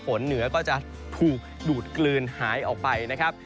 เหนือก็จะถูกดูดกลืนหายออกไปนะครับ